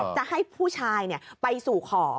จะให้ผู้ชายเนี่ยไปสู่ขอ